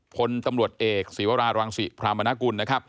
ผลตำรวจเอกศิวาราหรังศิพรามนกุล